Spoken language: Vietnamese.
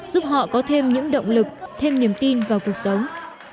giúp họ có thêm những động lực thêm niềm tin vào cuộc sống